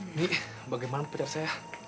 ini bagaimana pacar saya